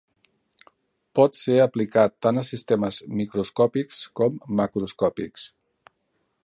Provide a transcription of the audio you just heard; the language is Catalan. Pot ser aplicat tant a sistemes microscòpics com macroscòpics.